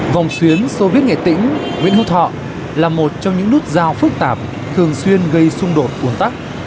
vòng xuyến soviet nghệ tĩnh nguyễn hữu thọ là một trong những nút giao phức tạp thường xuyên gây xung đột uốn tắc